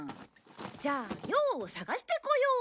じゃあ用を探してこよう。